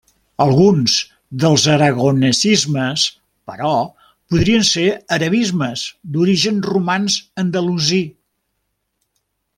Alguns dels aragonesismes, però, podrien ser arabismes d'origen romanç andalusí.